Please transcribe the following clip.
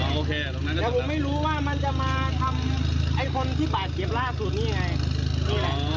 แต้าผมไม่รู้ว่ามันจะมาทำอันสุดที่บาดเจ็บล่าสุดนี่ไง